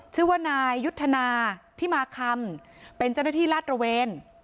ชื่อว่านายยุทธนาที่มาคำเป็นเจ้าหน้าที่ลาดตระเวน